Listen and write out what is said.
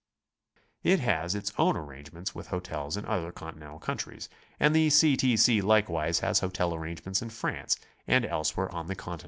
It has its own arrangements wkh hotels in other Continental countries, and the C. T. C. likewise has hotel arrangements in France and elsewhere on the Conti 94 GOING ABROAD?